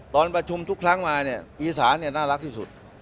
ตอนประชุมทุกครั้งมาเนี่ยอีสานน่ารักที่สุด